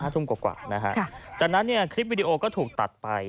๕ทุ่มกว่านะฮะจากนั้นเนี่ยคลิปวิดีโอก็ถูกตัดไป